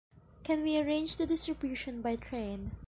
Can we arrange the distribution by train?